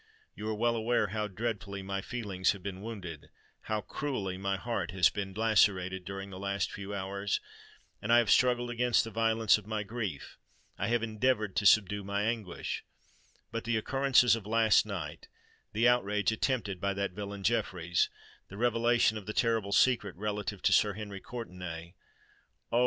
You are well aware how dreadfully my feelings have been wounded—how cruelly my heart has been lacerated, during the last few hours; and I have struggled against the violence of my grief—I have endeavoured to subdue my anguish;—but the occurrences of last night—the outrage attempted by that villain Jeffreys—the revelation of the terrible secret relative to Sir Henry Courtenay——Oh!